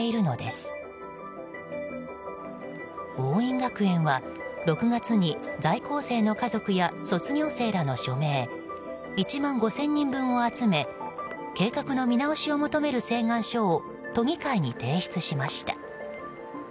桜蔭学園は６月に在校生の家族や卒業生らの署名１万５０００人分を集め計画の見直しを求める請願書を都議会に提出しました。